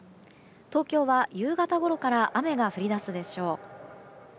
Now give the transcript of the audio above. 東京は、夕方ごろから雨が降り出すでしょう。